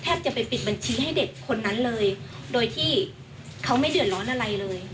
จะไปปิดบัญชีให้เด็กคนนั้นเลยโดยที่เขาไม่เดือดร้อนอะไรเลย